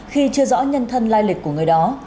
khi chưa rõ nhân thân lai lịch của người đó